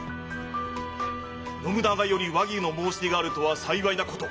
信長より和議の申し出があるとは幸いなこと。